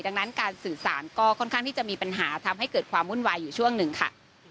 ดังนั้นการสื่อสารก็ค่อนข้างที่จะมีปัญหาทำให้เกิดความวุ่นวายอยู่ช่วงหนึ่งค่ะ